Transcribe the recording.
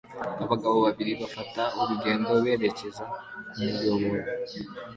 Abagabo babiri bafata urugendo berekeza kumuyoboro